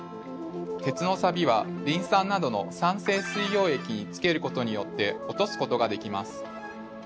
鉄のサビはリン酸などの酸性水溶液につけることによって落とすことができます。